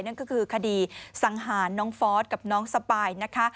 นั่นก็คือคดีสังหารน้องฟอสกับน้องสปายนะคะ